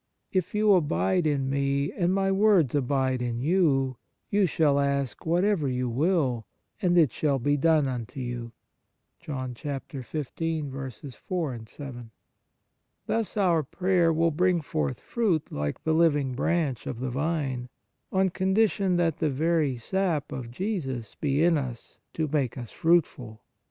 If you abide in Me, and My words abide in you, you shall ask whatever you will, and it shall be done unto you."* Thus our prayer will bring forth fruit like the living branch of the vine, on condition that the very sap of Jesus be in us to make us fruitful.